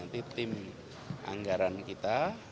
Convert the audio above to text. tim anggaran kita